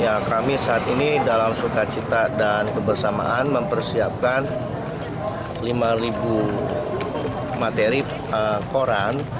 ya kami saat ini dalam sukacita dan kebersamaan mempersiapkan lima materi koran